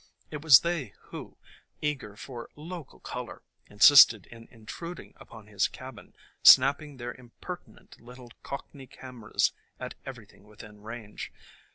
It was they who, eager for "local color," insisted in intruding upon his cabin, snapping their impertinent little cockney cameras at everything within range.